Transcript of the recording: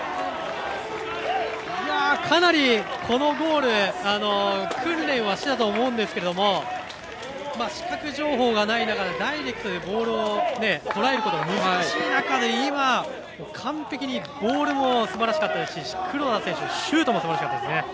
かなり、このゴール訓練はしてたと思うんですけど視覚情報がない中でダイレクトにボールをとらえることが難しい中で、今完璧にボールもすばらしかったですし黒田選手のシュートもすばらしかったです。